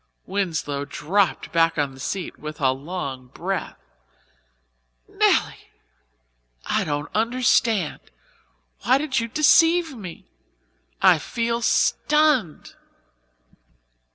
Winslow dropped back on the seat with a long breath. "Nelly, I don't understand. Why did you deceive me? I feel stunned."